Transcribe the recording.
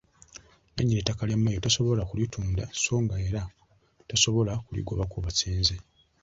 Nnannyini ttaka lya mmayiro tasobola kulitunda sso nga era tasobola kuligobako basenze.